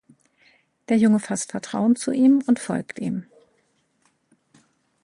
Der Junge fasst Vertrauen zu ihm und folgt ihm.